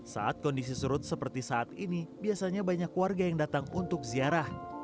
saat kondisi surut seperti saat ini biasanya banyak warga yang datang untuk ziarah